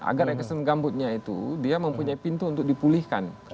agar ekstrim gambutnya itu dia mempunyai pintu untuk dipulihkan